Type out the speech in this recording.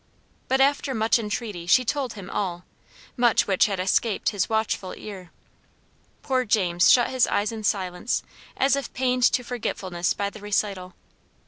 But after much entreaty, she told him all, much which had escaped his watchful ear. Poor James shut his eyes in silence, as if pained to forgetfulness by the recital.